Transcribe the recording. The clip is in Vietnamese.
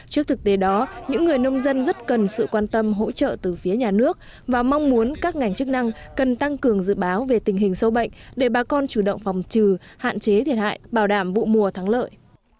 trước thực tế đó những người nông dân rất cần sự quan tâm hỗ trợ từ phía nhà nước và mong muốn các ngành chức năng cần tăng cường dự báo về tình hình sâu bệnh để bà con chủ động phòng trừ hạn chế thiệt hại bảo đảm vụ mùa thắng lợi